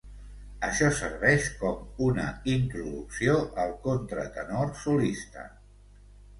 Això serveix com una introducció al contratenor solista.